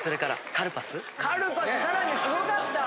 カルパスサラミすごかった。